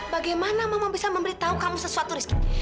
bagaimana mama bisa memberitahu kamu sesuatu rizki